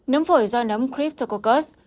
nấm phổi do nấm cryptococcus